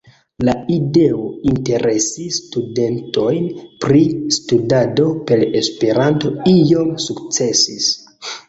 La ideo interesi studentojn pri studado per Esperanto iom sukcesis.